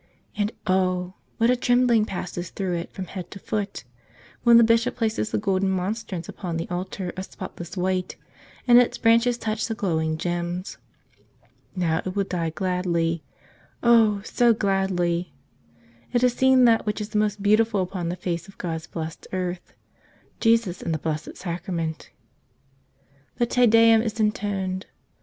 And oh! what a trem¬ bling passes through it from head to foot when the bishop places the golden monstrance upon the altar of spotless white and its branches touch the glowing gems. Now it will die gladly — oh, so gladly! It has seen that which is the most beautiful upon the face of God's blessed earth — Jesus in the Blessed Sacra¬ ment. The Te Deum is intoned.